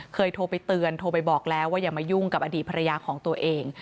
เคยโทรไปเตือนโทรไปบอกแล้วว่าอย่ามายุ่งกับอดีตภรรยาของตัวเอง